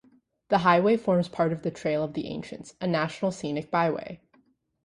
The highway forms part of the Trail of the Ancients, a National Scenic Byway.